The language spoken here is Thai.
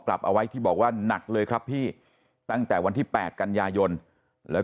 กลับเอาไว้ที่บอกว่าหนักเลยครับพี่ตั้งแต่วันที่๘กันยายนแล้ว